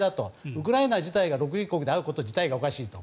ウクライナ自体が独立国であること自体がおかしいと。